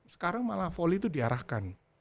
sekarang malah volley itu diarahkan